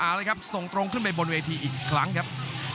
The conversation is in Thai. เอาเลยครับส่งตรงขึ้นไปบนเวทีอีกครั้งครับ